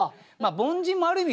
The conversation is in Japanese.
凡人もある意味